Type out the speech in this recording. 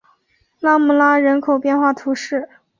拉穆拉人口变化图示